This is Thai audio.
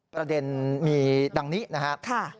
ประเด็นมีดังนี้นะครับ